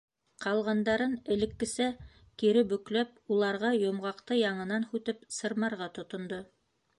Ҡалғандарын элеккесә кире бөкләп, уларға йомғаҡты яңынан һүтеп сырмарға тотондо.